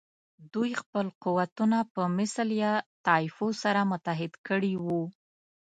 دوی خپل قوتونه په مثل یا طایفو سره متحد کړي وو.